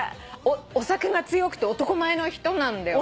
お酒が強くて男前の人なんだよ。